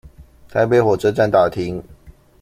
台北火車站大廳